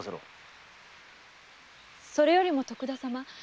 それよりも徳田様